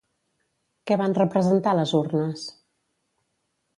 Què van representar les urnes?